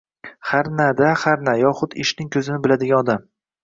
Harna-da, harna... yoxud «ishning ko‘zini biladigan odam»